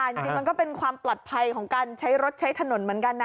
จริงมันก็เป็นความปลอดภัยของการใช้รถใช้ถนนเหมือนกันนะ